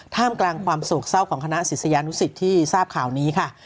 ท่ามกลางความโศกเศร้าของคณะศิษยานุสิตที่ทราบข่าวนี้ค่ะ